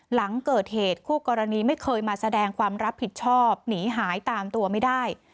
หลังเกิดเหตุคู่กรณีไม่เคยมาแสดงความรับผิดชอบหนีหายตามตัวไม่ได้